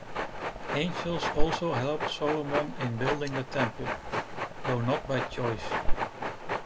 Angels also helped Solomon in building the Temple; though not by choice.